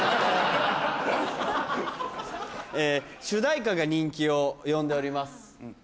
主題歌が人気を呼んでおります